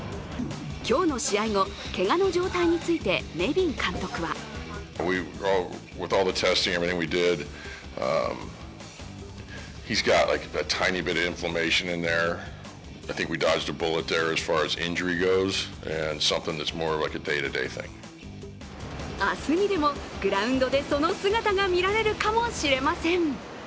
今日の試合後、けがの状態についてネビン監督は明日にでもグラウンドでその姿が見られるかもしれません。